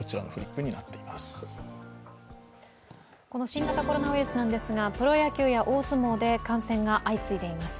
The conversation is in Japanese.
新型コロナウイルスなんですがプロ野球や大相撲で感染が相次いでいます。